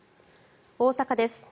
大阪です。